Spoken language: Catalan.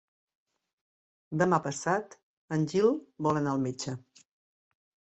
Demà passat en Gil vol anar al metge.